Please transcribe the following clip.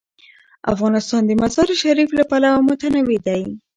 افغانستان د مزارشریف له پلوه متنوع دی.